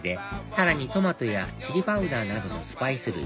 さらにトマトやチリパウダーなどのスパイス類